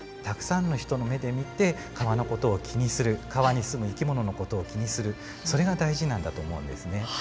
たくさんの人の目で見て川の事を気にする川に住む生き物の事を気にするそれが大事なんだと思うんですね。